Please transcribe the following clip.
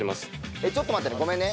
えちょっと待ってねごめんね。